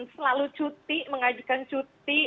selalu cuti mengajukan cuti